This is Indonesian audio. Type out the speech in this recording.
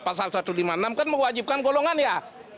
pasal satu ratus lima puluh enam kan mewajibkan golongan ya